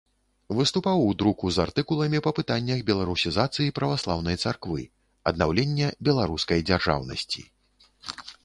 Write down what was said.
Выступаў у друку з артыкуламі па пытаннях беларусізацыі праваслаўнай царквы, аднаўлення беларускай дзяржаўнасці.